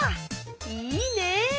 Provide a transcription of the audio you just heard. いいね！